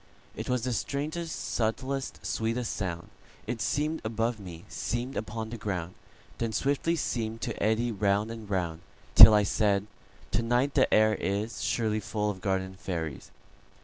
It was the strangest, subtlest, sweetest sound:It seem'd above me, seem'd upon the ground, Then swiftly seem'd to eddy round and round, Till I said: "To night the air isSurely full of garden fairies."